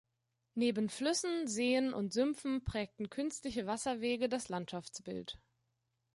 Neben Flüssen, Seen und Sümpfen prägten künstliche Wasserwege das Landschaftsbild.